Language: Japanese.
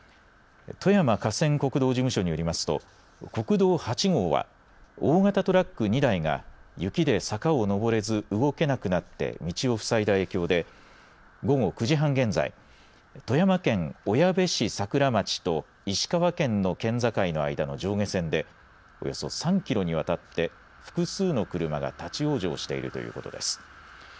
富山河川国道事務所によりますと国道８号は大型トラック２台が雪で坂を上れず動けなくなって道をふさいだ影響で午後９時半現在富山県小矢部市桜町と石川県の県境の間の上下線でおよそ３キロにわたって複数の車が立往生しているということです。